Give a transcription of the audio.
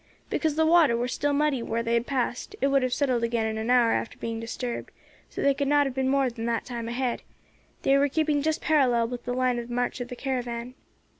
"Because the water was still muddy where they had passed; it would have settled again in an hour after being disturbed, so they could not have been more than that time ahead. They were keeping just parallel with the line of march of the caravan."